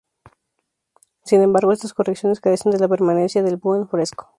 Sin embargo, estas correcciones carecen de la permanencia del "buon fresco".